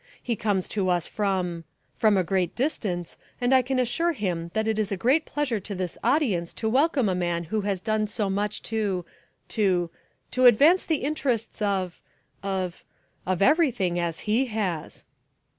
He comes to us from; from a great distance and I can assure him that it is a great pleasure to this audience to welcome a man who has done so much to, to, to advance the interests of, of; of everything as he has."